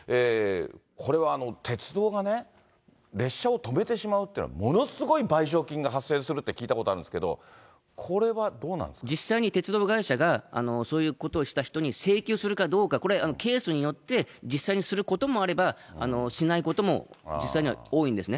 これは鉄道がね、列車を止めてしまうというのは、ものすごい賠償金が発生するって聞いたことがあるんですけど、こ実際に鉄道会社が、そういうことをした人に請求するかどうか、これ、ケースによって、実際にすることもあれば、しないことも実際には多いんですね。